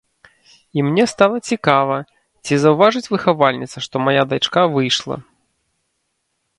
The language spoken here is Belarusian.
І мне стала цікава, ці заўважыць выхавальніца, што мая дачка выйшла.